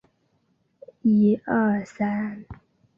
长尾蹄盖蕨为蹄盖蕨科蹄盖蕨属下的一个种。